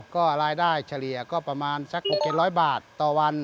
ก็รายได้เฉลี่ยก็ประมาณสัก๖๗๐๐บาทต่อวัน